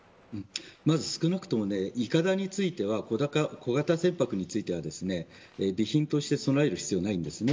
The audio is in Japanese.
まず少なくともいかだについては小型船舶については備品として備える必要はありません。